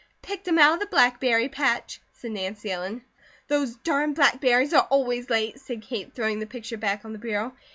"Picked him out of the blackberry patch," said Nancy Ellen. "Those darn blackberries are always late," said Kate, throwing the picture back on the bureau.